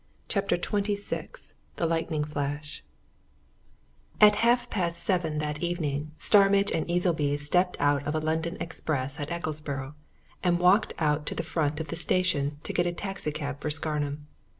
CHAPTER XXVI THE LIGHTNING FLASH At half past seven that evening Starmidge and Easleby stepped out of a London express at Ecclesborough, and walked out to the front of the station to get a taxi cab for Scarnham.